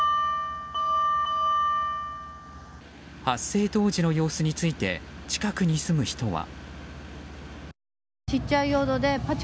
発生当時の様子について近くに住む人は。